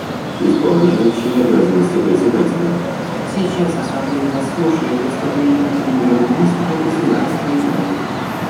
Исполняющий обязанности Председателя: Сейчас Ассамблея заслушает выступление премьер-министра Государства Израиль.